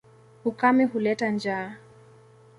Ukame huleta njaa.